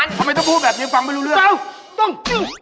ทำไมต้องพูดแบบนี้ฟังไม่รู้เรื่องเอ้า